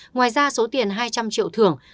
ngoài ra số tiền hai trăm linh triệu thưởng